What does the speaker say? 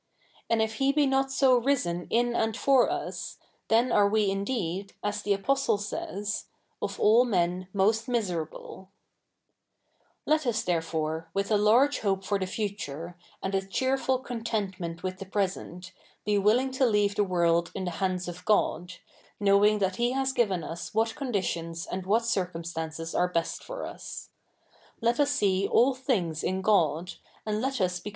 And if He be 7iot so risen in and for us, the7i are we i7ideed, as the Apostle savs. " of all 7ne}i most 77iiserable.^'* CH. i] THE NEW REPUBLIC 87 ^ Let us therefore^ with a large hope for the future^ and a cheerful co?itent??ie?it with the present, be willing to leave the world in the ha7ids of God, knowing that he has given us what conditions and what circumstances are best for us. Let us see all things in God, and let us beco?